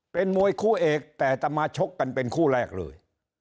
เป็นมวยคู่เอกแต่จะมาชกกันเป็นคู่แรกเลย